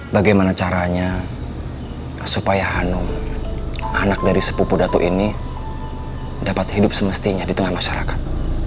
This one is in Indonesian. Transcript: bagaimana caranya supaya hanum anak dari sepupu datu ini dapat hidup semestinya di tengah masyarakat